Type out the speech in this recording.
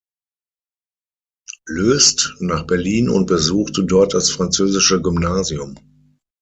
Löst, nach Berlin und besuchte dort das Französische Gymnasium.